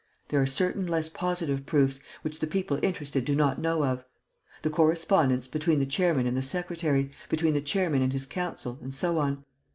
There are certain less positive proofs, which the people interested do not know of: the correspondence between the chairman and the secretary, between the chairman and his counsel, and so on.